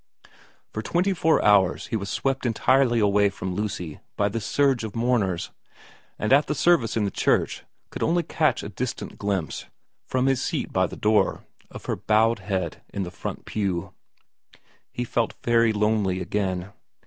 For twenty four hours he was swept entirely away from Lucy by this surge of mourners, and at the service in the church could only catch a distant glimpse, from his seat by the door, of her bowed head in the front pew. He felt very lonely again.